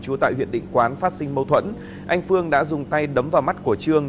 trú tại huyện định quán phát sinh mâu thuẫn anh phương đã dùng tay đấm vào mắt của trương